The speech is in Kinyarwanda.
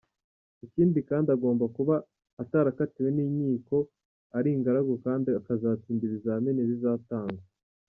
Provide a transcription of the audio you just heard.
Ikindi kandi agomba kuba atarakatiwe n’inkiko, ari ingaragu kandi akazatsinda ibizamini bizatangwa.